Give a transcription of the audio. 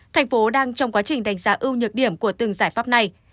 thành phố đang trong quá trình đánh giá ưu nhược điểm của từng giải pháp này